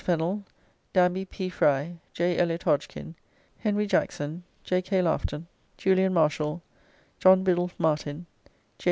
Fennell, Danby P. Fry, J. Eliot Hodgkin, Henry Jackson, J. K. Laughton, Julian Marshall, John Biddulph Martin, J.